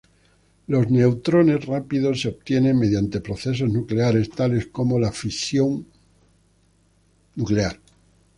Los neutrones rápidos se obtienen mediante procesos nucleares, tales como la fisión nuclear.